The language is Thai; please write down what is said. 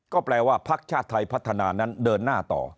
ก็แปลว่าพักชาติไทยพัฒนานั้นเดินหน้าต่อ